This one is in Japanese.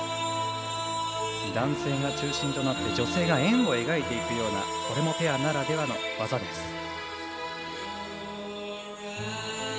男性が中心となって女性が円を描いていくようなこれもペアならではの技です。